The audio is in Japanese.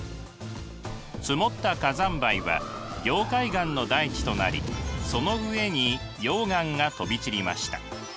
積もった火山灰は凝灰岩の大地となりその上に溶岩が飛び散りました。